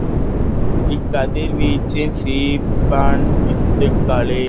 இக்கதிர்வீச்சின் சிப்பம் இத்துகளே.